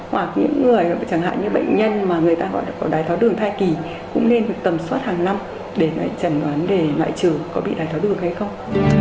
hoặc những người chẳng hạn như bệnh nhân mà người ta gọi là có đài tháo đường thai kỳ cũng nên được tầm soát hàng năm để trần đoán để loại trừ có bị đài tháo đường hay không